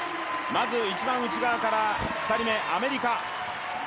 まず一番内側から２人目アメリカ。